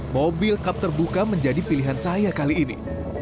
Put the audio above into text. mobil cup terbuka menjadi pilihan saya kali ini